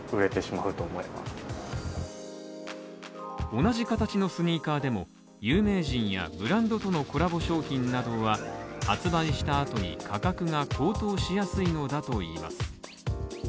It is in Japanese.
同じ形のスニーカーでも有名人やブランドとのコラボ商品などは発売した後に価格が高騰しやすいのだといいます。